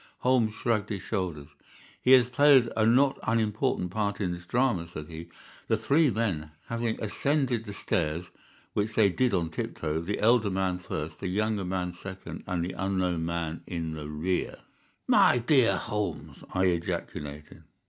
Holmes shrugged his shoulders. "He has played a not unimportant part in this drama," said he. "The three men having ascended the stairs, which they did on tiptoe, the elder man first, the younger man second, and the unknown man in the rear—" "My dear Holmes!" I ejaculated.